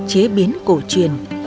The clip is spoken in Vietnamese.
chế biến cổ truyền